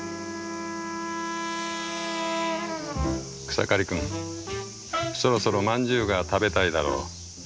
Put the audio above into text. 「草刈くんそろそろ饅頭が食べたいだろう